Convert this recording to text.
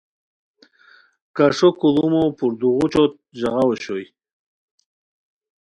کݰو کوڑومو پوردوغوچوت ژاغا اوشوئے